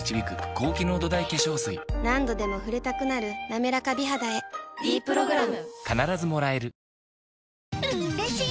何度でも触れたくなる「なめらか美肌」へ「ｄプログラム」